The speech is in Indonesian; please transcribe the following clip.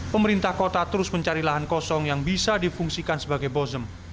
pemerintah kota terus mencari lahan kosong yang bisa difungsikan sebagai bozem